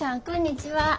こんにちは。